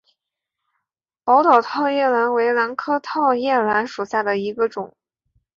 宝岛套叶兰为兰科套叶兰属下的一个种。